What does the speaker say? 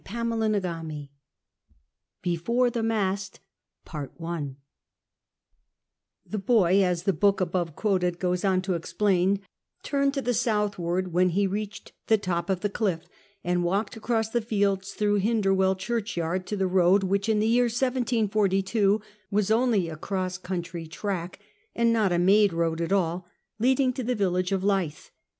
C CHAPTER 11 BEFORE THE MAST The boy, as the book above quoted goes on to explain, turned to the southward when he reached the top of the cliff, and walked across the fields through Hinderwell churchyard, to the road which, in the year 174 2, was only a cross country track, and not a made road at all, leading to the village of Lythe.